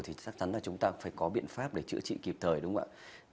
thì chắc chắn là chúng ta phải có biện pháp để chữa trị kịp thời đúng không ạ